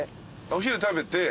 お昼食べて。